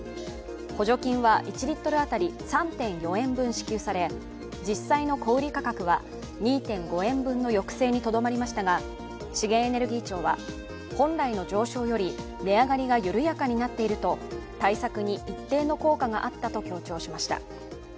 補助金は１リットル当たり３．４円分式有され、実際の小売価格は２．５円分の抑制となりましたが資源エネルギー庁は、本来の上昇より値上がりが緩やかになっていると、対策に一定の効果があったと強調しました。